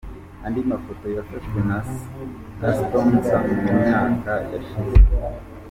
Andi mafoto yafashwe na Spencer mu myaka yashize.